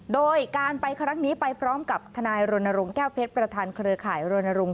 โดยการไปครั้งนี้ไปพร้อมกับทนายรณรงค์แก้วเพชรประธานเครือข่ายรณรงค